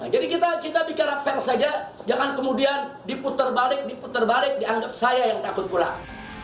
jadi kita dikira fans saja jangan kemudian diputer balik diputer balik dianggap saya yang takut pulang